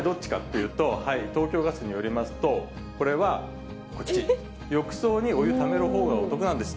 答え、どっちかっていうと、東京ガスによりますと、これはこっち、浴槽にお湯ためるほうがお得なんですって。